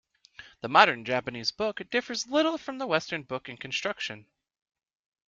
The modern Japanese book differs little from the western book in construction.